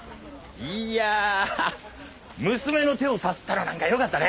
いや娘の手をさすったのなんかよかったね。